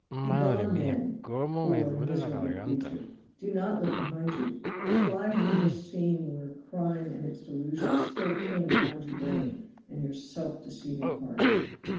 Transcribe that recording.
"Begone, then, poor miserable creature! Do not look behind you. Fly from this scene where crime and its delusions still cling round your brain and your self deceiving heart.